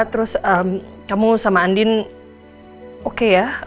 terus kamu sama andin oke ya